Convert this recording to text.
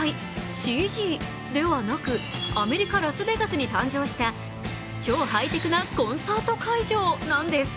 ＣＧではなくアメリカ・ラスベガスに誕生した超ハイテクなコンサート会場なんです。